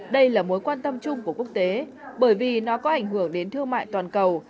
đây là mối quan tâm chung của quốc tế bởi vì nó có ảnh hưởng đến thương mại toàn cầu